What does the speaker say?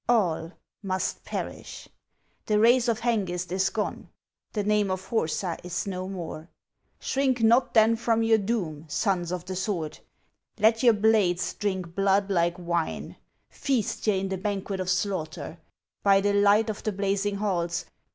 All must perish ! The race of Hengist is gone — The name of Horsa is no more ! Shrink not then from your doom, sons of the sword ! Let your blades drink blood like wine ; Feast ye in the banquet of slaughter, By the light of the blazing halls